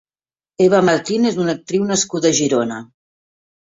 Eva Martín és una actriu nascuda a Girona.